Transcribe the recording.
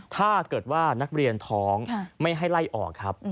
ถ้าเกิดว่านักเรียนท้องไม่ให้ไล่ออกครับ